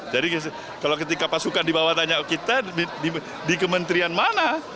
jadi kalau ketika pasukan dibawa tanya kita di kementerian mana